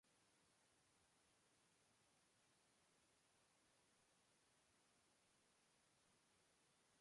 Frankfurt Seamount is one of the seven named Fogo Seamounts.